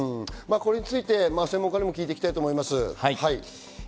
これについて専門家にも聞いていきたいと思います。